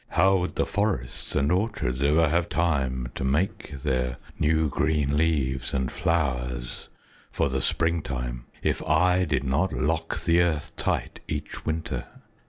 How would the forest and orchards ever have time to make their new green leaves and flowers for the springtime, if I did not lock the earth tight each winter?